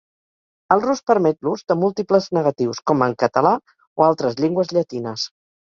El rus permet l'ús de múltiples negatius, com en català o altres llengües llatines.